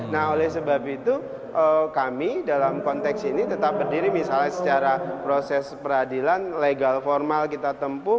nah oleh sebab itu kami dalam konteks ini tetap berdiri misalnya secara proses peradilan legal formal kita tempuh